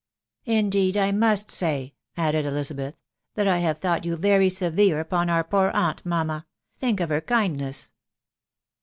" Indeed I must say," added Elizabeth, " that I haw thought you very severe upon our poor aunt, mamma. Think of her kindness